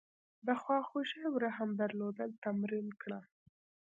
د خواخوږۍ او رحم درلودل تمرین کړه.